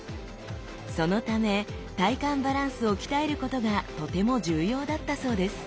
そのため体幹バランスを鍛えることがとても重要だったそうです。